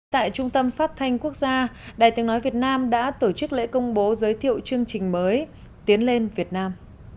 tại trung tâm phát thanh quốc gia đài tiếng nói việt nam đã tổ chức lễ công bố giới thiệu chương trình mới tiến lên việt nam